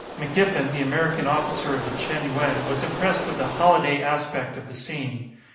McGiffen, the American officer of the "Chen yuen," was impressed with the "holiday aspect" of the scene.